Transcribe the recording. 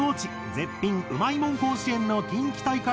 絶品うまいもん甲子園」の近畿大会に出場！